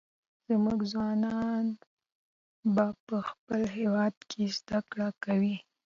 زموږ ځوانان به په خپل هېواد کې زده کړې کوي.